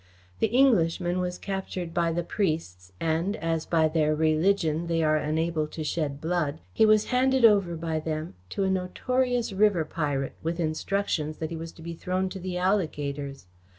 The Englishman was captured by the priests, and as, by their religion, they are unable to shed blood, he was handed over by them to a notorious river pirate with instructions that he was to be thrown to the alligators.